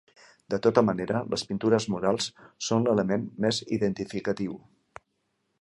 De tota manera, les pintures murals són l'element més identificatiu.